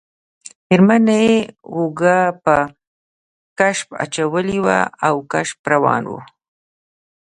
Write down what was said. میرمنې اوړه په کشپ اچولي وو او کشپ روان شو